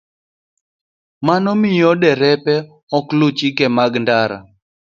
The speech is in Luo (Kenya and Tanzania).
Mano miyo derepe ok luw chike mag ndara.